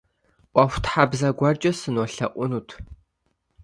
Ӏуэхутхьэбзэ гуэркӏэ сынолъэӏунут.